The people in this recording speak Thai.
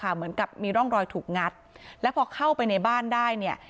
เหมือนกับมีร่องรอยถูกงัดแล้วพอเข้าไปในบ้านได้เนี่ย